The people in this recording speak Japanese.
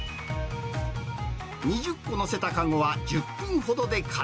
２０個載せた籠は１０分ほどで空。